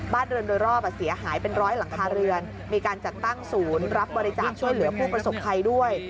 เรือนโดยรอบเสียหายเป็นร้อยหลังคาเรือนมีการจัดตั้งศูนย์รับบริจาคช่วยเหลือผู้ประสบภัยด้วย